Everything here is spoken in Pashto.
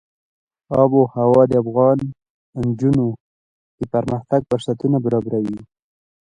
آب وهوا د افغان نجونو د پرمختګ لپاره فرصتونه برابروي.